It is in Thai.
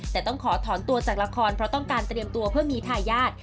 แต่ต้องขอถอนตัวจากละครเพราะต้องการเตรียมตัวเพื่อมีทายาท